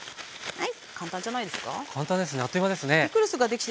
はい。